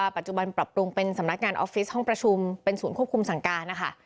ปัจจุบันปรับปรุงเป็นสำนักงานออฟฟิศห้องประชุมเป็นศูนย์ควบคุมสั่งการนะคะ